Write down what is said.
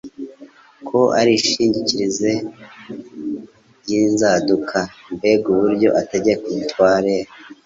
Ko ari imyigishirize y'inzanduka! Mbega uburyo ategekana ubutware,